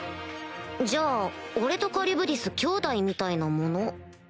じゃあ俺とカリュブディスきょうだいみたいなもの？